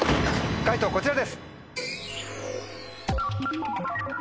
解答こちらです。